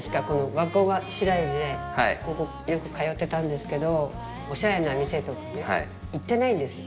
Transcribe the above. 学校が白百合でここよく通ってたんですけどおしゃれな店とか行ってないんですよ。